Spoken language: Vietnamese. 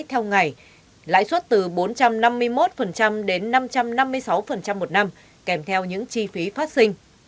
theo ngày lãi suất từ bốn trăm năm mươi một đến năm trăm năm mươi sáu một năm kèm theo những chi phí phát sinh